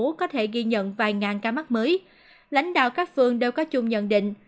là một trường hợp mắc mới lãnh đạo các phường đều có chung nhận định